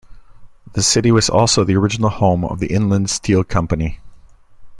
The city was also the original home of the Inland Steel Company.